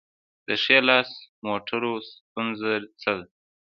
د ښي لاس موټرو ستونزه څه ده؟